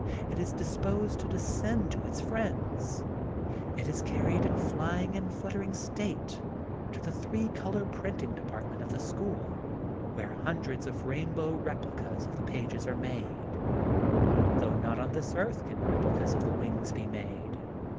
It is disposed to descend to its friends. It is carried in flying and fluttering state to the three color print ing department of the school, where hundreds of rainbow replicas of the pages are made, though not on this earth can replicas of the wings be made.